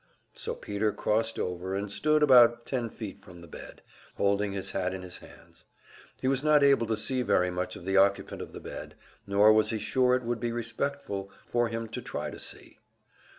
So Peter crossed over and stood about ten feet from the bed, holding his hat in his hands; he was not able to see very much of the occupant of the bed, nor was he sure it would be respectful for him to try to see.